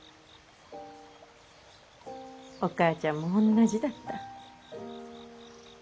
お母ちゃんも同じだった。